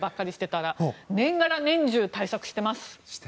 だから、年がら年中対策をしています。